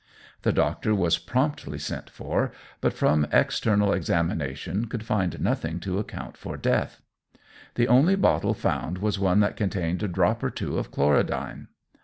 The doctor was promptly sent for, but from external examination could find nothing to account for death. The only bottle found was one that contained a drop or two of chlorodyne.